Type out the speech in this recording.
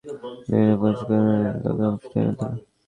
রিকাবটি মজবুত করে ধরলেন আর বাহনের লাগামটি টেনে ধরলেন।